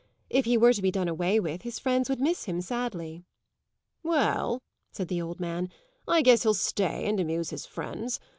"If he were to be done away with his friends would miss him sadly." "Well," said the old man, "I guess he'll stay and amuse his friends.